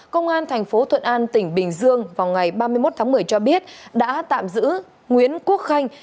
công an thành phố thuận an tỉnh bình dương vào ngày ba mươi một tháng một mươi cho biết đã tạm giữ nguyễn quốc khanh